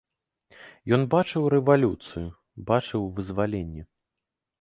Ён бачыў рэвалюцыю, бачыў вызваленне.